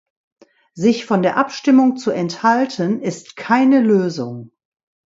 Sich von der Abstimmung zu enthalten, ist keine Lösung.